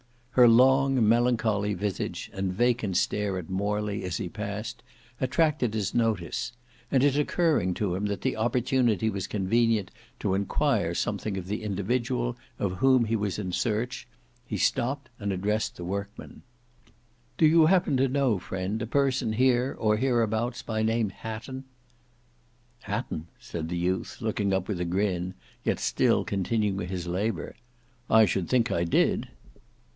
Her long melancholy visage and vacant stare at Morley as he passed, attracted his notice, and it occurring to him that the opportunity was convenient to enquire something of the individual of whom he was in search, he stopped and addressed the workman: "Do you happen to know friend a person here or hereabouts by name Hatton?" "Hatton!" said the youth looking up with a grin, yet still continuing his labour, "I should think I did!"